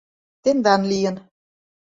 Тендан лийын